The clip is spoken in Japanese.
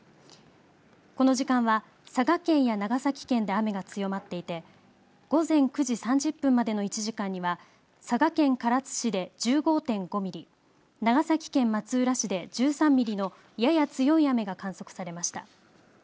この時間は佐賀県や長崎県で雨が強まっていて午前９時３０分までの１時間には佐賀県唐津市で１５．５ミリ、長崎県松浦市で１３ミリのやや強い雨が観測されました。